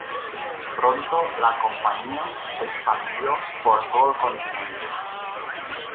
Pronto, la compañía se expandió por todo el continente.